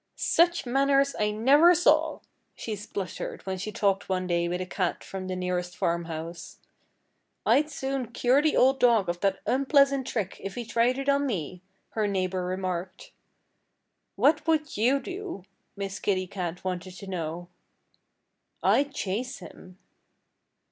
"Such manners I never saw!" she spluttered when she talked one day with a cat from the nearest farmhouse. "I'd soon cure the old dog of that unpleasant trick if he tried it on me," her neighbor remarked. "What would you do?" Miss Kitty Cat wanted to know. "I'd chase him."